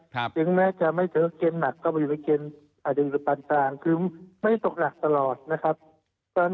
ถึงแม้จะไม่เจอกินหนักก็ไม่เจอกินอดึงหรือปันต่าง